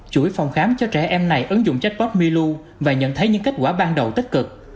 chuỗi phòng khám cho trẻ em này ứng dụng chatbot milu và nhận thấy những kết quả ban đầu tích cực